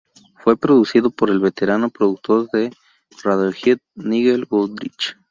Fue producido por el veterano productor de Radiohead Nigel Godrich.